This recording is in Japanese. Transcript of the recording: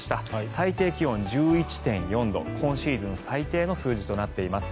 最低気温１１．４度今シーズン最低の数字となっています。